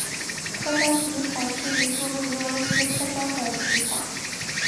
喀山体育场是一座位于俄罗斯喀山的体育场。